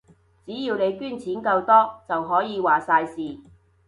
只要你捐錢夠多，就可以話晒事